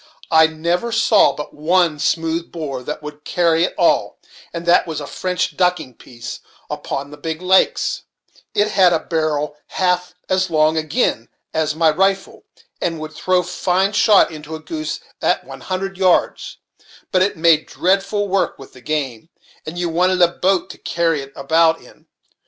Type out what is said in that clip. I never saw but one smooth bore that would carry at all, and that was a French ducking piece, upon the big lakes; it had a barrel half as long agin as my rifle, and would throw fine shot into a goose at one hundred yards; but it made dreadful work with the game, and you wanted a boat to carry it about in.